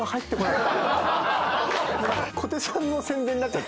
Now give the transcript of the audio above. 小手さんの宣伝になっちゃって。